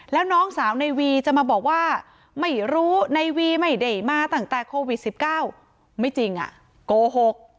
แล้วน้องสาวในวีจะมาบอกว่าไม่รู้ในวีไม่ได้มาตั้งแต่โควิด๑๙ไม่จริงโกหก